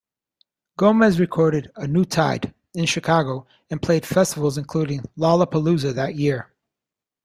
Gomez recorded "A New Tide" in Chicago, and played festivals including Lollapalooza that year.